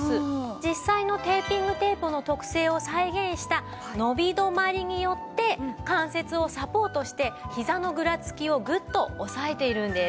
実際のテーピングテープの特性を再現した伸び止まりによって関節をサポートしてひざのぐらつきをグッと抑えているんです。